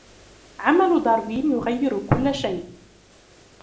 عمل داروين يغير كل شيء.